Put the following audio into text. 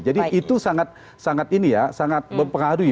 jadi itu sangat ini ya sangat mempengaruhi